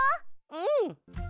うん！